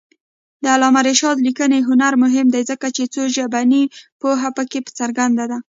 د علامه رشاد لیکنی هنر مهم دی ځکه چې څوژبني پوهه پکې څرګنده ده.